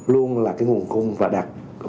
luôn là cái nguồn cùng của bất động sản